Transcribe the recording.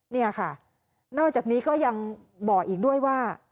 นี่ค่ะนอกจากนี้ก็ยังบอกอีกด้วยว่า